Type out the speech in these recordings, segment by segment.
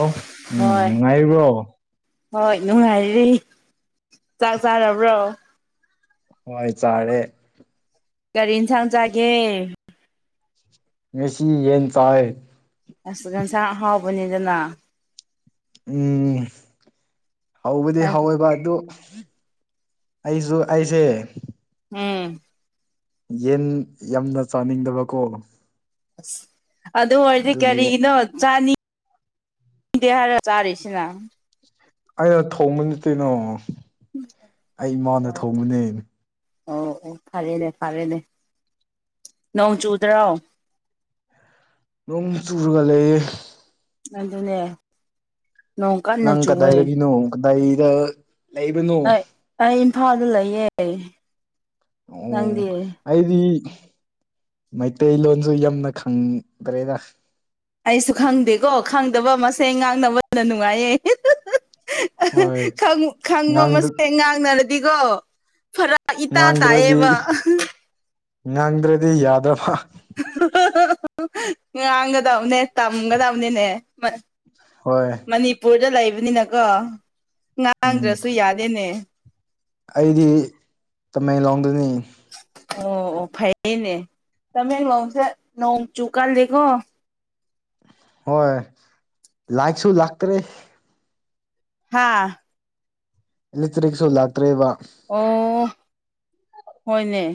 ꯑꯣ ꯎꯪ ꯍꯣꯏ ꯅꯨꯡꯉꯥꯏꯔꯤꯕꯣ ꯍꯣꯏ ꯅꯨꯡꯉꯥꯏ ꯔꯤ ꯆꯥꯛ ꯆꯥꯔꯕ꯭ꯔꯣ ꯍꯣꯏ ꯆꯥ ꯔꯦ ꯀꯔꯤ ꯏꯟꯁꯥꯡ ꯆꯥ ꯒꯦ ꯉꯁꯤ ꯌꯦꯟ ꯆꯥꯏ ꯑꯥꯁ ꯏꯟꯁꯥꯡ ꯑꯍꯥꯎꯕꯅꯤꯗꯅ ꯎꯪ ꯍꯥꯎꯕꯨꯗꯤ ꯍꯥꯎꯋꯦꯕ ꯑꯗꯨ ꯑꯩꯖꯨ ꯑꯩꯖꯦ ꯎꯪ ꯌꯦꯟ ꯌꯥꯝꯅ ꯆꯥꯅꯤꯡꯗꯕ ꯀꯣ ꯑꯥꯁ ꯑꯗꯨ ꯑꯣꯏꯔꯗꯤ ꯀꯔꯤꯒꯤꯅꯣ ꯆꯥꯅꯤ ꯗꯦ ꯍꯥꯏꯔ ꯆꯥꯔꯤꯁꯤꯅ ꯑꯩꯅ ꯊꯣꯡꯕ ꯅꯠꯇꯦꯅꯣ ꯑꯩ ꯏꯃꯥꯅ ꯍꯣꯏ ꯊꯣꯡꯕꯅꯦ ꯑꯣ ꯑꯣ ꯐꯔꯦꯅꯦ -ꯐꯔꯦꯅꯦ ꯅꯣꯡ ꯆꯨꯗꯔꯣ ꯅꯣꯡ ꯆꯨꯔꯒꯥ ꯂꯩ ꯌꯦ ꯑꯥꯗꯨꯅꯦ ꯅꯪ ꯀꯗꯥꯏꯗꯒꯤꯅꯣ ꯀꯗꯥꯏ ꯗ ꯂꯩꯕꯅꯣ ꯐꯥꯜꯗ ꯂꯩꯌꯦꯑꯦ ꯑꯣꯡ ꯑꯩꯗꯤ ꯃꯩꯇꯩꯂꯣꯟꯗꯨ ꯌꯥꯝꯅ ꯈꯪ ꯗ꯭ꯔꯦꯗꯥ ꯑꯩꯁꯨ ꯈꯪꯗꯦ ꯀꯣ ꯈꯪꯗꯕ ꯃꯁꯦꯟ ꯉꯥꯡꯅꯕꯅ ꯅꯨꯡꯉꯥꯏꯌꯦ ꯍꯣꯏ ꯈꯪꯉꯨ ꯈꯪꯕ ꯃꯁꯦꯜ ꯉꯥꯡꯅꯔꯗꯤꯀꯣ ꯐꯔꯛ ꯏꯇꯥ ꯇꯥꯏꯌꯦꯕ ꯉꯪꯡꯗ꯭ꯔꯗꯤ ꯌꯥꯗ꯭ꯔꯕ ꯉꯥꯡꯒꯗꯕꯅꯦ ꯇꯝꯒꯗꯕꯅꯤ ꯅꯦ ꯍꯣꯏ ꯃꯅꯤꯄꯨꯔꯗ ꯂꯩꯕꯅꯤꯅꯅꯦꯀꯣ ꯎꯝ ꯉꯥꯡꯗ꯭ꯔꯁꯨ ꯌꯥꯗꯦ ꯅꯦ ꯇꯃꯦꯂꯣꯡꯗꯅꯤ ꯑꯣ ꯑꯣ ꯐꯩꯏꯌꯦꯅꯦ ꯇꯃꯦꯂꯦꯡꯁꯦ ꯅꯣꯡ ꯆꯨꯀꯜꯂꯤꯀꯣ ꯍꯣꯏ ꯂꯥꯏꯛꯁꯨ ꯂꯥꯛꯇ꯭ꯔꯦ ꯍꯥꯥ ꯏꯂꯦꯛꯇꯔꯤꯒꯁꯨ ꯂꯥꯡꯇ꯭ꯔꯦꯕ ꯑꯣ ꯍꯣꯏꯅꯦ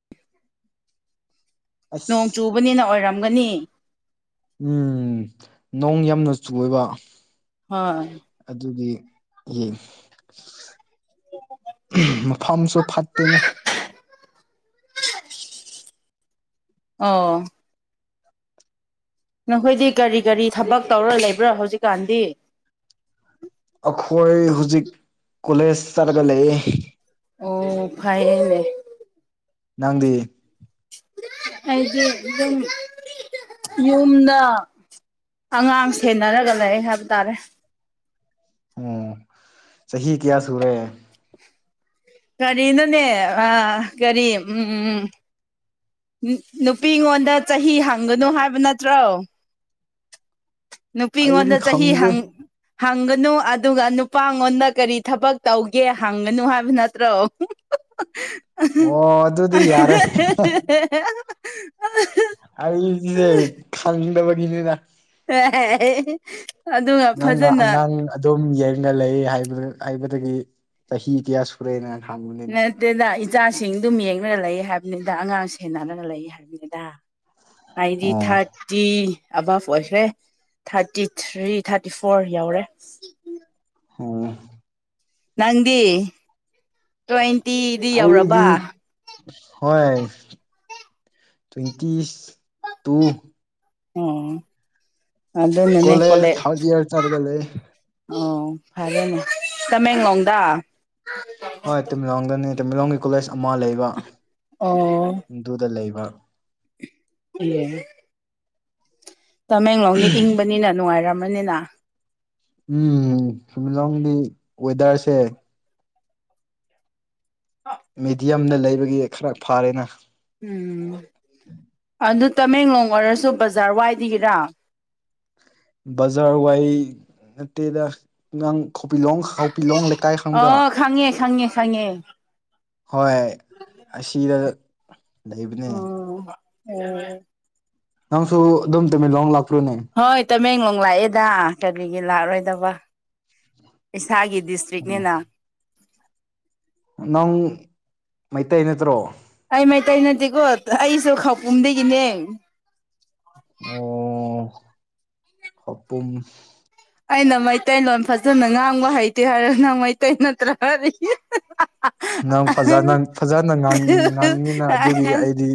ꯅꯣꯡ ꯑꯁ ꯆꯨꯕꯅꯤꯅ ꯑꯣꯏꯔꯝꯒꯅꯤ ꯎꯝ ꯅꯣꯡ ꯌꯥꯝꯅ ꯆꯨꯑꯦꯕ ꯍꯣꯏ ꯑꯗꯨꯗꯤ ꯌꯦ ꯃꯐꯝꯁꯨ ꯐꯠꯇꯦꯅꯦ ꯑꯣ ꯅꯈꯣꯏꯗꯤ ꯀꯔꯤ ꯀꯔꯤ ꯊꯕꯛ ꯇꯧꯔ ꯂꯩꯕ꯭ꯔꯥ ꯍꯧꯖꯤꯛꯀꯥꯟꯗꯤ ꯑꯈꯣꯏ ꯍꯧꯖꯤꯛ ꯀꯣꯂꯦꯖ ꯆꯠꯂꯒ ꯂꯩꯌꯦ ꯑꯣ ꯐꯩꯑꯦꯅꯦ ꯅꯪꯗꯤ ꯑꯩꯗꯤ ꯑꯗꯨꯝ ꯌꯨꯝꯗ ꯑꯉꯥꯡ ꯁꯦꯟꯅꯔꯒ ꯂꯩ ꯍꯥꯏꯕ ꯇꯥꯔꯦ ꯑꯣꯝ ꯆꯍꯤ ꯀꯌꯥ ꯁꯨꯔꯦ ꯀꯔꯤꯅꯣꯅꯦ ꯑ ꯀꯔꯤ ꯎꯝꯝ ꯅꯨꯄꯤꯉꯣꯟꯗ ꯆꯍꯤ ꯍꯪꯒꯅꯨ ꯍꯥꯏꯕ ꯅꯠꯇ꯭ꯔꯣ ꯑꯩꯗꯤ ꯅꯨꯄꯤꯉꯣꯟꯗ ꯆꯍꯤ ꯈꯪꯗꯦ ꯍꯪ ꯍꯪꯒꯅꯨ ꯑꯗꯨꯒ ꯅꯨꯄꯥꯉꯣꯟꯗ ꯀꯔꯤ ꯊꯕꯛ ꯇꯧꯒꯦ ꯍꯪꯒꯅꯨ ꯍꯥꯏꯕ ꯅꯠꯇ꯭ꯔꯣ [unintelligible] ꯑꯣ ꯑꯗꯨꯗꯤ ꯌꯥꯔꯦ [unintelligible] ꯑꯩꯁꯦ ꯈꯥꯟꯗꯕꯒꯤꯅꯤꯅ ꯑꯥ ꯍꯦꯍꯦꯍꯦ ꯑꯗꯨꯒ ꯐꯖꯅ ꯎꯨꯝ ꯌꯦꯅꯤꯡꯉ ꯂꯩ ꯍꯥꯏꯕ ꯍꯥꯏꯕꯗꯒꯤ ꯆꯍꯤ ꯀꯌꯥ ꯁꯨꯔꯦꯅ ꯍꯪꯕꯅꯤꯅ ꯅꯠꯇꯦꯗ ꯏꯆꯥꯁꯤꯡꯗꯨꯝ ꯌꯦꯡꯛꯅꯅ ꯂꯩ ꯍꯥꯏꯕꯅꯤꯗ ꯑꯉꯥꯡ ꯁꯦꯟꯅꯔꯅ ꯂꯩ ꯍꯥꯏꯕꯅꯤꯗ ꯍꯥꯏꯇꯤ ꯑꯣ ꯊꯥꯔꯇꯤ ꯑꯕꯞ ꯑꯣꯏꯈ꯭ꯔꯦ ꯊꯥꯔꯇꯤ ꯊ꯭ꯔꯤ ꯊꯥꯔꯇꯤ ꯐꯣꯔ ꯌꯧꯔꯦ ꯑꯣ ꯅꯪꯗꯤ ꯇ꯭ꯋꯦꯟꯇꯤꯗꯤ ꯌꯧꯔꯕ ꯑꯩꯗꯤ ꯍꯣꯏ ꯇꯋꯦꯟꯇꯤ ꯇꯨ ꯑꯣ ꯀꯣꯂꯦꯖ ꯊꯔꯗ ꯏꯌꯔ ꯆꯔꯒ ꯂꯩꯌꯦ ꯑꯣ ꯐꯔꯦꯅꯦ ꯇꯃꯦꯡꯂꯣꯡꯗ ꯍꯣꯏ ꯇꯃꯦꯡꯂꯣꯡꯗꯅꯦ ꯇꯃꯦꯂꯣꯡꯒꯤ ꯀꯣꯂꯦꯖ ꯑꯃ ꯂꯩꯕ ꯑꯣ ꯗꯨꯗ ꯂꯩꯕ [unintelligible] ꯇꯃꯦꯡꯂꯣꯡꯗꯤ ꯏꯪꯕꯅꯤꯅ ꯅꯨꯡꯉꯥꯏꯔꯝꯃꯅꯤꯅ ꯎꯝ ꯇꯃꯦꯡꯂꯣꯡꯒꯤ ꯋꯦꯗꯔꯁꯦ ꯃꯦꯗꯤꯌꯝꯗ ꯂꯩꯕꯒꯤ ꯈꯔ ꯐꯥꯔꯦꯅ ꯎꯝ ꯑꯗ ꯇꯃꯦꯡꯂꯣꯡ ꯑꯣꯏꯔꯁꯨ ꯕꯖꯥꯔ ꯋꯥꯏꯗꯤꯒꯤꯔꯥ ꯕꯖꯥꯔ ꯋꯥꯏ ꯅꯠꯇꯦꯗꯥ ꯉꯥꯡ ꯈꯣꯄꯤꯂꯣꯡ ꯍꯥꯎꯄꯤꯂꯣꯡ ꯂꯩ ꯀꯥꯏ ꯈꯪꯕ꯭ꯔꯥ ꯑꯣ ꯈꯪꯉꯦ ꯈꯪꯉꯦ ꯈꯪꯉꯦ ꯍꯣꯏ ꯑꯁꯤꯗ ꯂꯩꯕꯅꯦ ꯑꯦꯋꯦ ꯅꯪꯁꯨ ꯑꯗꯨꯝ ꯇꯃꯦꯡꯂꯣꯡ ꯂꯥꯛ ꯍꯣꯏ ꯇꯃꯦꯡꯂꯣꯡ ꯂꯥꯛꯑꯦꯗꯥ ꯀꯔꯤꯒꯤ ꯂꯥꯛꯔꯣꯏꯗꯕ ꯢꯁ ꯏꯁꯥꯒꯤ ꯗꯤꯁꯇ꯭ꯔꯤꯛꯅꯤꯅ ꯅꯪ ꯃꯩꯇꯩ ꯅꯠꯇ꯭ꯔꯣ ꯑꯩ ꯃꯩꯇꯩ ꯅꯠꯇꯦꯀꯣ ꯑꯩꯁꯨ ꯈꯥꯎꯄꯨꯝꯗꯒꯤꯅꯦ ꯑꯣ ꯈꯥꯎꯄꯨꯝ ꯑꯩꯅ ꯃꯩꯇꯩꯂꯣꯟ ꯐꯖꯅ ꯉꯥꯡꯕ ꯍꯩꯇꯦ ꯍꯥꯏꯔ ꯅꯪ ꯃꯩꯇꯩ ꯅꯠꯇ꯭ꯔ ꯀꯔꯤ ꯅꯪ ꯐꯖꯅ ꯐꯖꯅ ꯉꯥꯡꯉꯤ ꯉꯥꯡꯉꯤꯅ ꯑꯗꯨꯒꯤ ꯑꯩꯗꯤ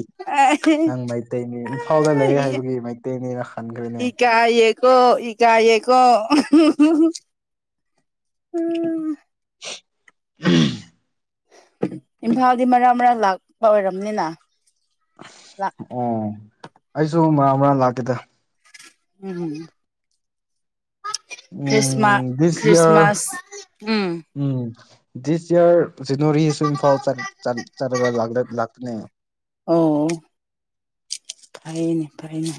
ꯅꯪ ꯃꯩꯇꯩꯅꯤ ꯏꯝꯐꯥꯜꯗ ꯂꯩꯌꯦ ꯍꯥꯏꯕꯒꯤ ꯃꯩꯇꯩꯅꯤꯅ ꯈꯟꯈ꯭ꯔꯦꯅꯦ ꯏꯀꯥꯢꯌꯦꯀꯣ ꯏꯀꯥꯢꯌꯦꯀꯣ ꯍꯝ [unintelligible] ꯏꯝꯐꯥꯜꯗꯤ ꯃꯔꯛ ꯃꯔꯛ ꯂꯥꯛꯄ ꯑꯣꯏꯔꯝꯅꯤꯅ ꯂꯥꯛ ꯑꯣ ꯑꯩꯁꯨ ꯃꯔꯥꯛ ꯃꯔꯥꯛ ꯂꯥꯛꯀꯦꯗ um Christmas um this year Christmas um um this year ꯖꯅꯋꯥꯔꯤꯁꯨ ꯏꯝꯐꯥꯜ ꯆꯠ ꯆꯠ ꯆꯠꯔꯒ ꯂꯥꯛꯔ ꯂꯥꯛꯀꯅꯤ ꯑꯣ ꯐꯩꯌꯦꯅꯦ ꯐꯩꯌꯦꯅꯦ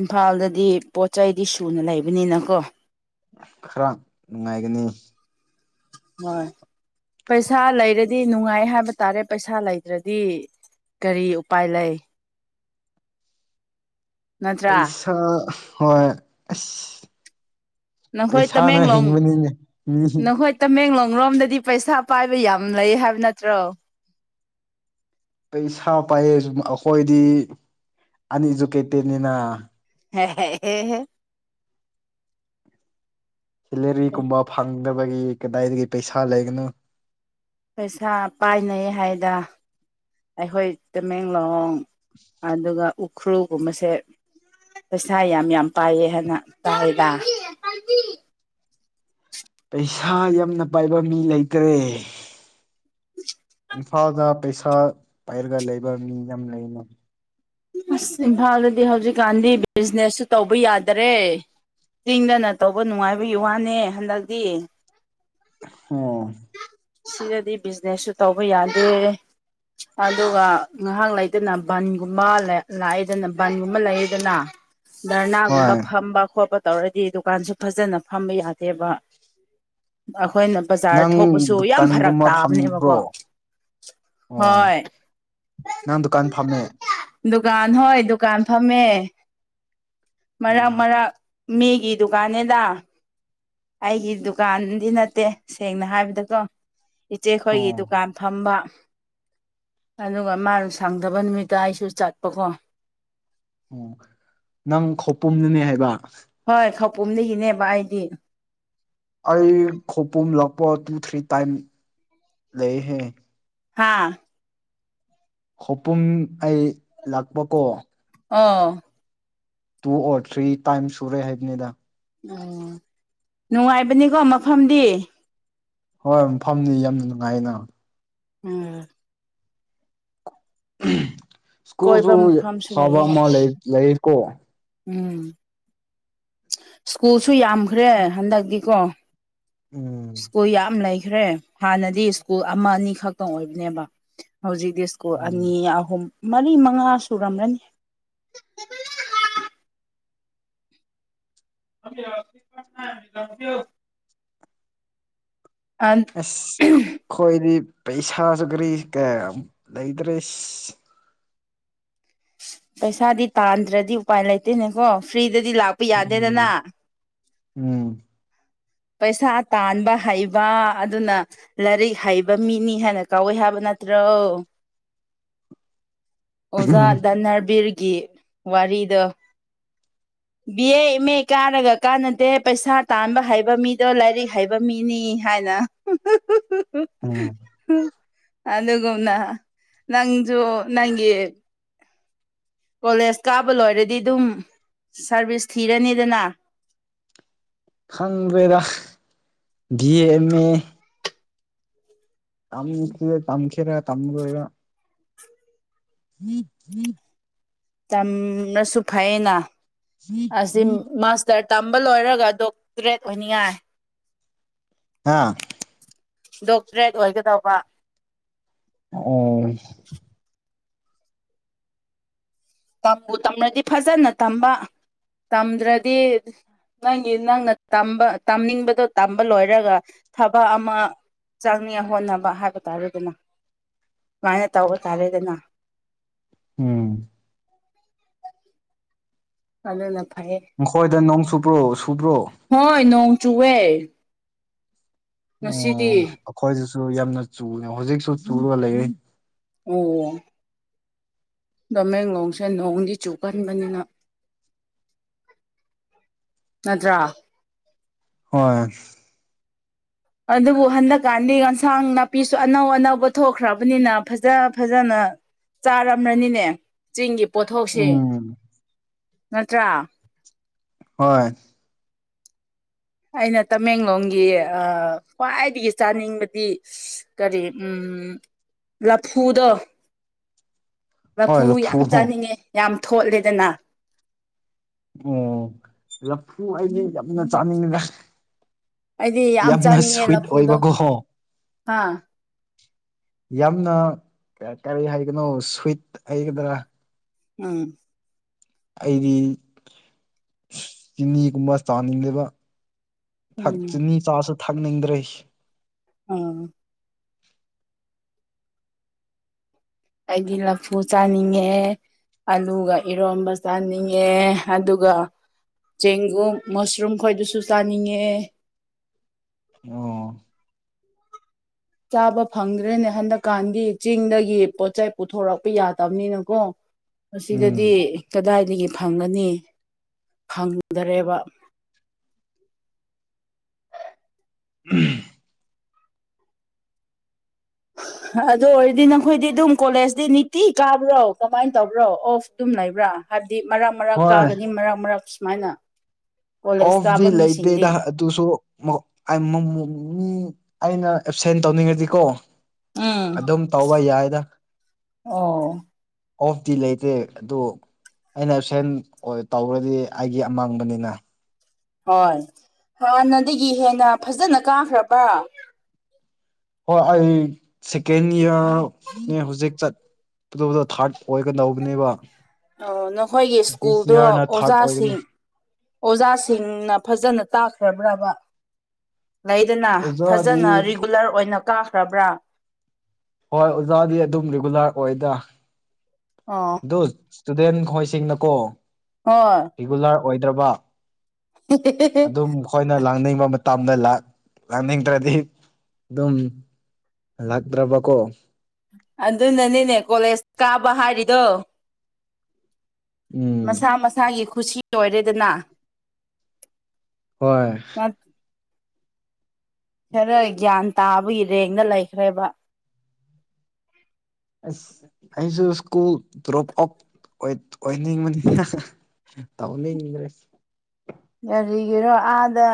ꯏꯝꯐꯥꯜꯗꯗꯤ ꯄꯣꯠ ꯆꯩꯗꯤ ꯁꯨꯅ ꯂꯩꯕꯅꯤꯅꯀꯣ ꯈꯔ ꯅꯨꯡꯉꯥꯏꯒꯅꯤ ꯍꯣꯏ ꯄꯩꯁꯥ ꯂꯩꯔꯗꯤ ꯅꯨꯡꯉꯥꯏ ꯍꯥꯏꯕ ꯇꯥꯔꯦ ꯄꯩꯁꯥ ꯂꯩꯇ꯭ꯔꯗꯤ ꯀꯔꯤ ꯎꯄꯥꯏ ꯂꯩ ꯅꯠꯇ꯭ꯔꯥ ꯄꯩꯁꯥ ꯍꯣꯢ ꯑꯁ ꯅꯈꯣꯏ ꯄꯩꯁꯥꯅ ꯇꯃꯦꯡꯂꯣꯡ ꯍꯤꯡꯕꯅꯤꯅꯦ ꯃꯤ ꯅꯈꯣꯏ ꯇꯃꯦꯡꯂꯣꯡ ꯉꯨꯔꯣꯝꯗꯗꯤ ꯄꯩꯁꯥ ꯄꯥꯏꯕ ꯌꯥꯝ ꯂꯩ ꯍꯥꯏꯕ ꯅꯠꯇ꯭ꯔꯣ ꯄꯩꯁꯥ ꯄꯥꯏꯌꯦꯖꯨ ꯑꯈꯣꯏꯗꯤ ꯑꯅꯤꯖꯨ ꯀꯦꯞꯇꯦꯟꯅꯤꯅꯥ ꯍ ꯍꯦ ꯍꯦ ꯍꯦ ꯁꯦꯂꯔꯤ ꯒꯨꯝꯕ ꯐꯪꯗꯕꯒꯤ ꯀꯗꯥꯏꯗꯒꯤ ꯄꯩꯁꯥ ꯂꯩꯒꯅꯨ ꯄꯩꯁꯥ ꯄꯥꯏꯅꯩꯌꯦ ꯍꯥꯏꯌꯦꯗꯥ ꯑꯩꯈꯣꯏ ꯇꯃꯦꯡꯂꯣꯡ ꯑꯗꯨꯒ ꯎꯈ꯭ꯔꯨꯜꯒꯨꯝꯕꯁꯦ ꯄꯩꯁꯥ ꯌꯥꯝ ꯌꯥꯝ ꯄꯥꯏꯌꯦ ꯍꯥꯏꯅ ꯇꯥꯏꯗꯥ ꯄꯩꯁꯥ ꯌꯥꯝꯅ ꯄꯥꯏꯕ ꯃꯤ ꯂꯩꯇꯔꯦ ꯏꯝꯐꯥꯜꯗ ꯄꯩꯁꯥ ꯄꯥꯏꯔꯒ ꯂꯩꯕ ꯃꯤ ꯌꯥꯝ ꯂꯩꯅ ꯑꯁ ꯏꯝꯐꯥꯜꯗꯗꯤ ꯍꯧꯖꯤꯛꯀꯥꯟꯗꯤ ꯕꯤꯖꯤꯅꯦꯁꯁꯨ ꯇꯧꯕ ꯌꯥꯗꯔꯦ ꯆꯤꯡꯗꯅ ꯇꯧꯕ ꯅꯨꯡꯉꯥꯏꯕꯒꯤ ꯋꯥꯅꯦ ꯍꯟꯗꯛꯇꯤ ꯑꯣ ꯁꯤꯗꯗꯤ ꯕꯤꯖꯤꯅꯦꯁꯁꯨ ꯇꯧꯕ ꯌꯥꯗꯦ ꯑꯗꯨꯒ ꯉꯥꯏꯍꯥꯛ ꯂꯩꯗꯅ ꯕꯟꯒꯨꯝꯕ ꯂꯩ ꯂꯥꯛꯑꯗꯅ ꯕꯟꯒꯨꯝꯕ ꯂꯩꯌꯦꯗꯅꯥ ꯗꯔꯅꯥꯒꯨꯝꯕ ꯍꯣꯏ ꯐꯝꯕ ꯈꯣꯠꯄ ꯇꯧꯔꯗꯤ ꯗꯨꯀꯥꯟꯁꯨ ꯐꯖꯅ ꯐꯝꯕ ꯌꯥꯗꯦꯕ ꯑꯈꯣꯏꯅ ꯕꯖꯥꯔ ꯅꯪ ꯊꯣꯛꯄꯁꯨ ꯌꯥꯝ ꯐꯔꯛ ꯗꯨꯀꯥꯟꯒꯨꯝꯕ ꯇꯥꯕꯅꯦꯕꯀꯣ ꯐꯝꯕ꯭ꯔꯣ ꯑꯣ ꯍꯣꯏ ꯅꯪ ꯗꯨꯀꯥꯟ ꯐꯝꯃꯦ ꯗꯨꯀꯥꯟ ꯍꯣꯏ ꯗꯨꯀꯥꯟ ꯐꯝꯃꯦ ꯃꯔꯛ ꯑꯣ ꯃꯔꯛ ꯃꯤꯒꯤ ꯗꯨꯀꯥꯟꯅꯦꯗ ꯑꯩꯒꯤ ꯗꯨꯀꯥꯟꯗꯤ ꯅꯠꯇꯦ ꯁꯦꯡꯅ ꯍꯥꯏꯕ ꯗꯀꯣ ꯏꯆꯦꯈꯣꯏꯒꯤ ꯑꯣ ꯗꯨꯀꯥꯟ ꯐꯝꯕ ꯑꯗꯨꯒ ꯃꯥꯅ ꯁꯪꯗꯕ ꯅꯨꯃꯤꯠꯇ ꯑꯩꯁꯨ ꯆꯠꯄꯀꯣ ꯑꯣ ꯅꯪ ꯈꯧꯄꯨꯝꯅꯅꯦ ꯍꯥꯏꯕ ꯍꯣꯏ ꯈꯧꯄꯨꯝꯗꯒꯤꯅꯦꯕ ꯑꯩꯗꯤ ꯑꯩ ꯈꯧꯄꯨꯝ ꯂꯛꯄ ꯇꯨ ꯊ꯭ꯔꯤ ꯇꯥꯏꯝ ꯂꯩꯍꯦ ꯍꯥꯥ ꯈꯧꯄꯨꯝ ꯑꯩ ꯂꯥꯛꯄꯀꯣ ꯑꯣ ꯇꯨ ꯑꯣꯔ ꯊ꯭ꯔꯤ ꯇꯥꯏꯝꯁ ꯁꯨꯔꯦ ꯍꯥꯏꯕꯅꯤꯗ ꯑꯣ ꯅꯨꯡꯉꯥꯏꯕꯅꯤꯀꯣ ꯃꯐꯝꯗꯤ ꯍꯣꯏ ꯃꯐꯝꯗꯤ ꯌꯥꯝꯅ ꯅꯨꯡꯉꯥꯏꯌꯦꯅ ꯎꯝ ꯁ꯭ꯀꯨꯜꯁꯨ ꯀꯣꯏꯕ ꯃꯐꯝꯁꯨ ꯐꯕ ꯂꯩꯌꯦ ꯑꯃ ꯂꯩꯀꯣ ꯎꯝ ꯁ꯭ꯀꯨꯜꯁꯨ ꯌꯥꯝꯈ꯭ꯔꯦ ꯍꯟꯗꯛꯇꯤꯀꯣ ꯎꯝ ꯁ꯭ꯀꯨꯜ ꯌꯥꯝ ꯂꯩꯈ꯭ꯔꯦ ꯍꯥꯟꯅꯗꯤ ꯁ꯭ꯀꯨꯜ ꯑꯃ ꯑꯅꯤ ꯈꯛꯇꯪ ꯑꯣꯏꯕꯅꯦꯕ ꯍꯧꯖꯤꯛ ꯇꯤ ꯁ꯭ꯀꯨꯜ ꯎꯝ ꯑꯅꯤ ꯑꯍꯨꯝ ꯃꯔꯤ ꯃꯉꯥ ꯁꯨꯔꯝꯔꯅꯤ [unintelligible] ꯑ꯭ꯁ ꯈꯣ ꯈꯣꯏꯗꯤ ꯄꯩꯁꯥꯁꯨ ꯀꯔꯤ ꯀꯌꯥꯝ ꯂꯩꯇ꯭ꯔꯦ ꯄꯩꯁꯥꯗꯤ ꯇꯥꯟꯗ꯭ꯔꯗꯤ ꯎꯄꯥꯏ ꯂꯩꯇꯦꯅꯦꯀꯣ ꯐ꯭ꯔꯤ ꯗꯗꯤ ꯂꯥꯛꯄ ꯌꯥꯗꯦꯗꯅ ꯎꯝ ꯎꯝ ꯄꯩꯁꯥ ꯇꯥꯟꯕ ꯍꯩꯕ ꯑꯗꯨꯅ ꯂꯥꯏꯔꯤꯛ ꯍꯩꯕ ꯃꯤꯅꯤ ꯍꯥꯏꯅ ꯀꯧꯋꯦ ꯍꯥꯏꯕ ꯅꯠ ꯇ꯭ꯔꯣ [inaudible] ꯑꯣꯖꯥ ꯙꯅ꯭ꯔꯕꯤꯔꯒꯤ ꯋꯥꯔꯤꯗꯣ ꯕꯤ ꯑꯦ ꯑꯦꯝ ꯑꯦ ꯀꯥꯔꯒ ꯀꯥꯟꯅꯗꯦ ꯄꯩꯁꯥ ꯇꯥꯟꯕ ꯍꯩꯕ ꯍꯩꯕ ꯃꯤꯗꯣ ꯂꯥꯏꯔꯤꯛ ꯍꯩꯕ ꯃꯤꯅꯤ ꯍꯥꯏꯅ ꯎꯝ [unintelligible] ꯑꯗꯨꯒꯨꯝꯅ ꯅꯪꯁꯨ ꯅꯪꯒꯤ ꯀꯣꯂꯦꯖ ꯀꯥꯕ ꯂꯣꯏꯔꯗꯤ ꯗꯨꯝ ꯁꯥꯔꯚꯤꯁ ꯊꯤꯔꯅꯤꯗꯅ [inaudible] ꯈꯪꯗ꯭ꯔꯦꯗ ꯗꯤꯑꯦꯝꯑꯦ ꯇꯝꯈꯤꯔ ꯇꯝꯈꯦꯔ ꯇꯝꯃꯔꯣꯏꯔ [unintelligible] ꯇꯝꯔꯁꯨ ꯐꯩꯑꯦꯅ ꯑꯁꯤ ꯃꯥꯁꯇ꯭ꯔ ꯇꯝꯕ ꯂꯣꯏꯔꯒ ꯗꯣꯛꯇ꯭ꯔꯦꯠ ꯑꯣꯏꯅꯤꯡꯉꯥꯏ ꯍꯥꯥ ꯗꯣꯛꯇ꯭ꯔꯦꯠ ꯑꯣꯏꯒꯗꯕ ꯑꯣ ꯇꯝꯕꯨ ꯇꯝꯔꯗꯤ ꯐꯖꯅ ꯇꯝꯕ ꯇꯝꯗ꯭ꯔꯗꯤ ꯅꯪꯒꯤ ꯅꯪꯅ ꯇꯝꯕ ꯇꯝꯅꯤꯡꯕꯗꯣ ꯇꯝꯕ ꯂꯣꯏꯔꯒ ꯊꯕꯛ ꯑꯃ ꯆꯥꯡꯅꯤꯌ ꯍꯣꯠꯅꯕ ꯍꯥꯏꯕ ꯇꯥꯔꯦ ꯑꯗꯨꯅ ꯃꯥꯏꯅ ꯇꯧꯕ ꯇꯥꯔꯦꯗꯅ ꯎꯝ ꯑꯗꯨꯅ ꯐꯩꯌꯦ ꯅꯈꯣꯏꯗ ꯅꯣꯡ ꯁꯨꯕ꯭ꯔꯣ ꯁꯨꯕ꯭ꯔꯣ ꯍꯣꯏ ꯅꯣꯡ ꯆꯨꯋꯦ ꯑ ꯉꯁꯤꯗꯤ ꯑꯈꯣꯏꯖꯤꯁꯨ ꯌꯥꯝꯅ ꯆꯨꯕꯅꯦ ꯍꯧꯖꯤꯛꯁꯨ ꯆꯨꯔꯒ ꯂꯩꯔꯦ ꯑꯣ ꯅꯃꯦꯡꯂꯣꯡꯁꯦ ꯅꯣꯡꯗꯤ ꯆꯨꯒꯟꯕꯅꯤꯅ ꯅꯗ꯭ꯔꯥ ꯍꯣꯏ ꯑꯗꯨꯕꯨ ꯍꯟꯗꯛꯀꯥꯟꯗꯤ ꯑꯦꯟꯁꯥꯡ ꯅꯥꯄꯤꯁꯨ ꯑꯅꯧ ꯑꯅꯧꯕ ꯊꯣꯛꯈ꯭ꯔꯕꯅꯤꯅ ꯐꯖ ꯐꯖꯅ ꯆꯥꯔꯝ꯭ꯔꯅꯤꯅꯦ ꯆꯤꯡꯒꯤ ꯄꯣꯠꯊꯣꯛꯁꯤꯡ ꯎꯝ ꯅꯠꯇ꯭ꯔꯥ ꯍꯣꯏ ꯑꯩꯅ ꯇꯃꯦꯡꯂꯣꯡꯒꯤ ꯑ ꯈ꯭ꯋꯥꯏꯗꯒꯤ ꯆꯥꯅꯤꯡꯕꯗꯤ ꯀꯔꯤ ꯎꯝ ꯎꯝ ꯔꯐꯨꯗꯣ [inaudible] ꯂꯐꯨ ꯌꯥꯝ ꯆꯥꯅꯤꯡꯉꯦ ꯌꯥꯝ ꯊꯣꯠꯂꯦꯗꯅ ꯑꯣ ꯂꯐꯨ ꯑꯩꯗꯤ ꯌꯥꯝꯅ ꯆꯥꯅꯤꯡꯉꯤꯗ ꯑꯩꯗꯤ ꯌꯥꯝ ꯌꯥꯝꯅ ꯁ꯭ꯋꯤꯠ ꯑꯣꯏꯕꯒꯣꯍꯣ ꯍꯥꯥ ꯌꯥꯝꯅ ꯀ ꯀꯔꯤ ꯍꯥꯏꯒꯅꯣ ꯁ꯭ꯋꯤꯠ ꯍꯩꯒꯗ꯭ꯔꯥ ꯎꯝ ꯑꯩꯗꯤ ꯆꯤꯅꯤꯒꯨꯝꯕ ꯆꯥꯅꯤꯡꯗꯦꯕ ꯊꯛ ꯎꯝ ꯆꯤꯅꯤ ꯆꯥꯁꯨ ꯊꯛꯅꯤꯡꯗ꯭ꯔꯦ ꯎꯝ ꯑꯩꯗꯤ ꯂꯐꯨ ꯆꯥꯅꯤꯡꯉꯛꯑꯦ ꯑꯂꯨꯒ ꯏꯔꯣꯝꯕ ꯆꯥꯅꯤꯡꯉꯦ ꯑꯗꯨꯒ ꯆꯦꯡꯒꯨꯝ ꯃꯁꯔꯨꯝ ꯈꯣꯏꯗꯨꯁꯨ ꯆꯥꯅꯤꯡꯉꯛꯑꯦ ꯑꯣ ꯆꯥꯕ ꯐꯪꯗ꯭ꯔꯦꯅꯦ ꯍꯟꯗꯛꯀꯥꯟꯗꯤ ꯆꯤꯡꯗꯒꯤ ꯄꯣꯠꯆꯦꯞ ꯄꯨꯊꯣꯔꯛꯄ ꯌꯥꯗꯕꯅꯤꯅꯀꯣ ꯑꯁꯤꯗꯗꯤ ꯎꯝ ꯀꯗꯥꯏ ꯗꯤꯒꯤ ꯐꯪꯒꯅꯤ ꯐꯪꯗꯔꯦꯕ ꯎꯝ [inaudible] ꯍ ꯑꯗꯨ ꯑꯣꯏꯔꯗꯤ ꯅꯈꯣꯏꯗꯤ ꯑꯗꯨꯝ ꯀꯣꯂꯦꯖꯇꯤ ꯅꯤꯇꯤ ꯀꯥꯕ꯭ꯔꯣ ꯀꯃꯥꯏ ꯇꯧꯕ꯭ꯔꯣ ꯑꯣꯐ ꯑꯗꯨꯝ ꯂꯩꯕ꯭ꯔꯥ ꯍꯥꯏ ꯗꯤ ꯃꯔꯛ ꯃꯔꯛ ꯍꯣꯏ ꯀꯥꯒꯅꯤ ꯃꯔꯛ ꯃꯔꯛ ꯁꯨꯃꯥꯏꯅ ꯀꯣꯂꯦꯖ ꯑꯣꯐ ꯗꯤ ꯀꯥꯕ ꯃꯤꯁꯤꯡꯗꯤ ꯂꯩꯇꯦꯗ ꯑꯗꯨꯁꯨ ꯃꯧꯛ ꯑꯃꯨꯃꯨꯛ ꯅꯤꯅꯤ ꯑꯩꯅ ꯑꯦꯞꯁꯦꯟ ꯇꯧꯅꯤꯡꯉꯗꯤꯀꯣ ꯎꯝ ꯑꯗꯨꯝ ꯇꯧꯕ ꯌꯥꯏꯗ ꯑꯣ ꯑꯣꯐꯇꯤ ꯂꯩꯇꯦ ꯑꯗꯨ ꯑꯩꯅ ꯑꯦꯞꯁꯦꯟ ꯑꯣꯏ ꯇꯧꯔꯗꯤ ꯑꯩꯒꯤ ꯑꯃꯥꯡꯕꯅꯤꯅ ꯍꯣꯏ ꯍꯥꯟꯥꯟꯅꯗꯒꯤ ꯍꯦꯟꯅ ꯐꯖꯅ ꯀꯥꯈ꯭ꯔꯕ꯭ꯔꯥ ꯍꯣꯏ ꯑꯩ ꯁꯦꯀꯦꯟ ꯏꯌꯥꯔꯅꯦ ꯍꯧꯖꯤꯛ ꯆꯠ ꯄꯗ ꯊꯥꯔꯠ ꯑꯣꯏꯒꯗꯧꯕꯅꯦꯕ ꯑꯣ ꯅꯈꯣꯏꯒꯤ ꯗꯤꯁ ꯁ꯭ꯀꯨꯜꯗꯣ ꯏꯌꯥꯔꯅ ꯊꯥꯔꯠ ꯑꯣꯏꯒꯅꯤ ꯑꯣꯖꯥꯁꯤꯡ ꯑꯣꯖꯥꯁꯤꯡꯅ ꯐꯖꯅ ꯇꯥꯈ꯭ꯔꯕ꯭ꯔꯕ ꯂꯩꯗꯅ ꯐꯖꯅ ꯑꯣꯖꯥꯗꯤ ꯔꯤꯒꯨꯂꯔ ꯑꯣꯏꯅ ꯀꯥꯈ꯭ꯔꯕ꯭ꯔꯥ ꯍꯣꯏ ꯑꯣꯖꯥꯗꯤ ꯑꯗꯨꯝ ꯔꯤꯒꯨꯂꯔ ꯑꯣꯏꯗ ꯑꯣ ꯑꯗꯨ ꯏꯁꯇꯨꯗꯦꯟ ꯈꯣꯏꯁꯤꯡꯅꯀꯣ ꯍꯣꯏ ꯔꯤꯒꯨꯂꯔ ꯑꯣꯏꯗ꯭ꯔꯕ ꯑꯗꯨꯝ ꯃꯈꯣꯏꯅ ꯂꯥꯡꯅꯤꯡꯕ ꯇꯝꯅ ꯂꯥꯛꯅꯤꯡꯗ꯭ꯔꯗꯤ ꯑꯗꯨꯝ ꯂꯥꯛꯇ꯭ꯔꯕꯀꯣ ꯑꯗꯨꯅꯅꯤꯅꯦ ꯀꯣꯂꯦꯖ ꯀꯥꯕ ꯍꯥꯏꯔꯤꯗꯣ ꯎꯝ ꯃꯁꯥ ꯃꯁꯥꯒꯤ ꯈꯨꯁꯤ ꯑꯣꯏꯔꯦꯗꯅ ꯍꯣꯏ ꯈꯔ ꯒ꯭ꯌꯥꯟ ꯇꯥꯕꯒꯤ ꯔꯦꯡꯅ ꯂꯩꯈ꯭ꯔꯦꯕ ꯑꯩꯁꯨ ꯏꯁꯀꯨ꯭ꯜ ꯗ꯭ꯔꯣꯞ ꯑꯣꯏꯅꯤꯡꯕꯅꯤ ꯍꯦꯍꯦ ꯇꯝꯅꯤꯡꯗ꯭ꯔꯦ ꯀꯔꯤꯒꯤꯔꯣ ꯑꯥꯗ